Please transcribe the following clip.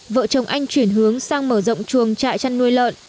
vợ chồng anh chuyển hướng sang mở rộng chuồng trại chăn nuôi lợn